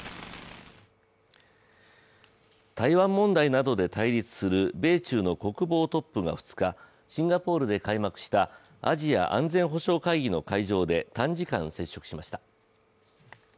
台湾問題などで対立する米中の国防トップが２日、シンガポールで開幕したアジア安全保障会議の会議で短時間接触しました。